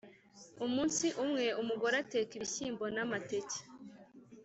Umunsi umwe, umugore ateka ibishyimbo n’amateke